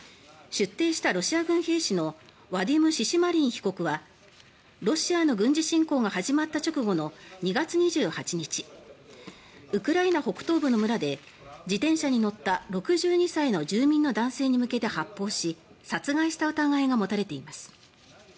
出廷したロシア軍兵士のワディム・シシマリン被告はロシアの軍事侵攻が始まった直後の２月２８日ウクライナ北東部の村で自転車に乗った６２歳の住民の男性に向けて発砲し殺害した疑いが持たれています。